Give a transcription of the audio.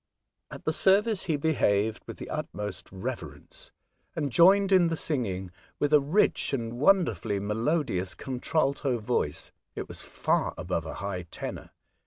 At the service he behaved with the utmost reverence, and joined in the singing with a riqh and wonderfully melodious contralto voice (it was far above a high tenor).